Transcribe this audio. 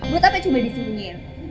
buat apa coba disingin